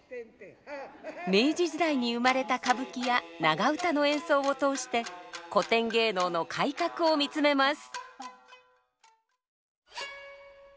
明治時代に生まれた歌舞伎や長唄の演奏を通して古典芸能の改革を見つめます。